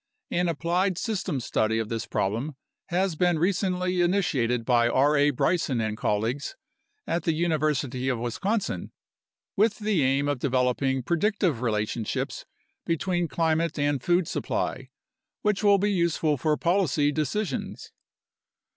An applied systems study of this problem has been recently initiated by R. A. Bryson and colleagues at the University of Wisconsin, with the aim of developing predictive relationships between climate and food supply, which will be useful for policy decisions.